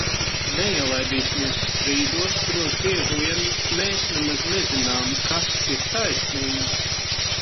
Neielaidīsimies strīdos, kuros bieži vien mēs nemaz nezinām, kas ir taisnība!